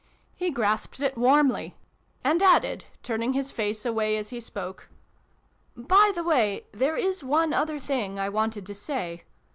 He grasped it warmly, and added, turning his face away as he spoke, " By the way, there is one other thing I wanted to say.